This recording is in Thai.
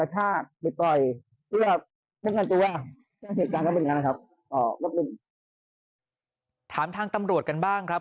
ถามทางตำรวจกันบ้างครับ